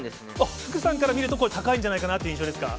福さんから見ると、これ、高いんじゃないかな？という印象ですか。